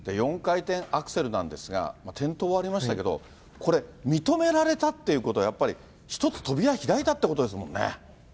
４回転アクセルなんですが、転倒はありましたけれども、これ、認められたっていうことは、やっぱり一つ扉開いたということですもんね。